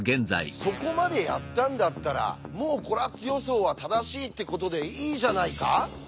そこまでやったんだったらもうコラッツ予想は正しいってことでいいじゃないか？